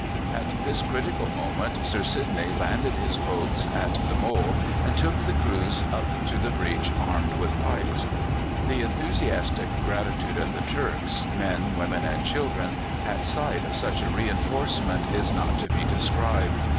At this critical moment Sir Sidney landed his boats at the mole and took the crews up to the breach armed with pikes. The enthusiastic gratitude of the Turks men, women, and children at sight of such a reinforcement is not to be described.